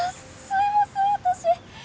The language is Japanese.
すいません私